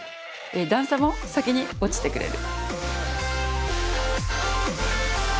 段差も先に落ちてくれる。